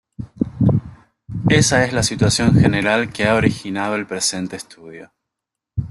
Esa es la situación general que ha originado el presente estudio.